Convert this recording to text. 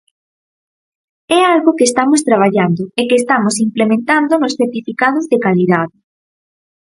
É algo que estamos traballando e que estamos implementando nos certificados de calidade.